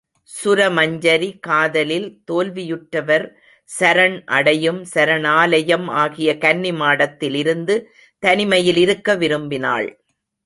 சுரமஞ்சரி காதலில் தோல்வியுற்றவர் சரண் அடையும் சரணாலயம் ஆகிய கன்னிமாடத்தில் இருந்து தனிமையில் இருக்க விரும்பினாள்.